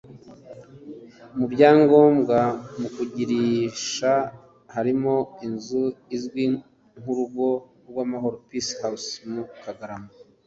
Mu byagombaga kugurishwa harimo inzu izwi nk’Urugo rw’Amahoro (Peace House) mu Kagarama